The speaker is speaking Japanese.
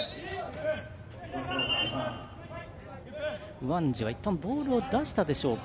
ウワンジはいったんボールを出したか。